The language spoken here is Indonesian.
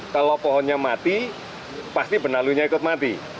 kalau pohonnya mati pasti benalunya ikut mati